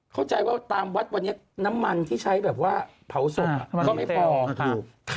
เข้าใจว่าตามวัดวันนี้น้ำมันที่ใช้แบบว่าเผาศพก็ไม่พอถูก